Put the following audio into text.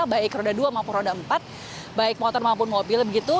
baik roda dua maupun roda empat baik motor maupun mobil begitu